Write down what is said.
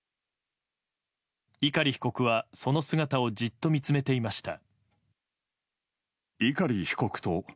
碇被告はその姿をじっと見つめていました。